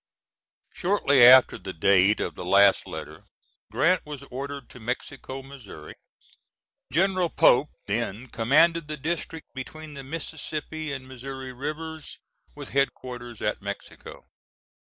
[Shortly after the date of the last letter, Grant was ordered to Mexico, Mo. General Pope then commanded the district between the Mississippi and Missouri Rivers with headquarters at Mexico.